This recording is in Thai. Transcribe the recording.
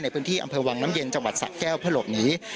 ในพื้นที่อำเภอวังน้ำเย็นจังหวัดสะแก้วเพื่อหลบหนี